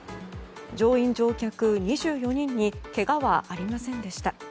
乗員・乗客２４人にけがはありませんでした。